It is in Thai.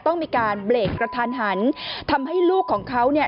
ต้องมีการเบรกกระทันหันทำให้ลูกของเขาเนี่ย